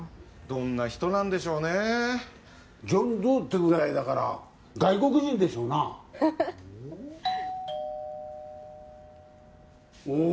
どんな人なんでしょうねジョン・ドゥってぐらいだから外国人でしょうなおお？